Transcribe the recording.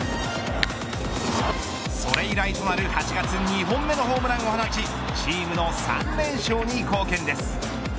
それ以来となる、８月２本目のホームランを放ちチームの３連勝に貢献です。